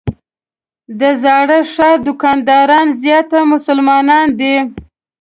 د زاړه ښار دوکانداران زیاتره مسلمانان دي.